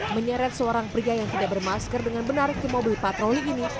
menyeret seorang pria yang tidak bermasker dengan menarik ke mobil patroli ini